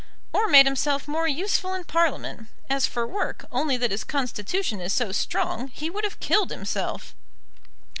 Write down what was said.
"Or made himself more useful in Parliament. As for work, only that his constitution is so strong, he would have killed himself."